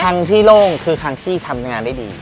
ครั้งที่โล่งคือครั้งที่ทำงานได้ดี